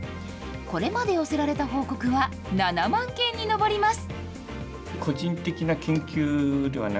これまで寄せられた報告は７万件に上ります。